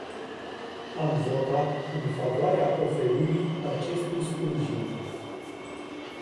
Am votat în favoarea oferirii acestui sprijin.